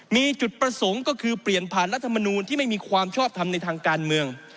มีจุดประสงค์ก็คือเปลี่ยนผ่านรัฐมนูลที่ไม่มีความชอบทำในทางการเมือง